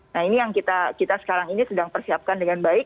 nah ini yang kita sekarang ini sedang persiapkan dengan baik